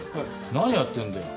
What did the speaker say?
何やってんだよ？